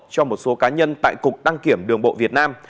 cho một số cá nhân tại cục đăng kiểm đường bộ việt nam